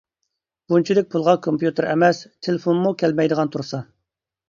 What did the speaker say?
بۇنچىلىك پۇلغا كومپيۇتېر ئەمەس، تېلېفونمۇ كەلمەيدىغان تۇرسا.